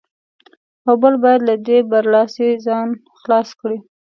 او بل باید له دې برلاسۍ ځان خلاص کړي.